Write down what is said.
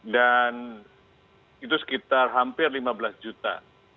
dan itu sekitar hampir lima belas juta